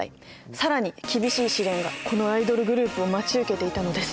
さらに厳しい試練がこのアイドルグループを待ち受けていたのです。